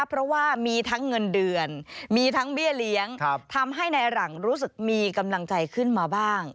เพราะว่ามีทั้งเงินเดือนมีทั้งเบี้ยเลี้ยงทำให้นายหลังรู้สึกมีกำลังใจขึ้นมาบ้าง